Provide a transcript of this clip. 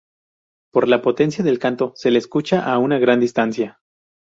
Por la potencia del canto, se le escucha a una gran distancia.